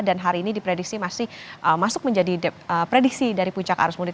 dan hari ini diprediksi masih masuk menjadi prediksi dari puncak arus mudik